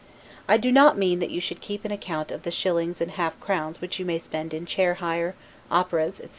I do not mean that you should keep an account of the shillings and half crowns which you may spend in chair hire, operas, etc.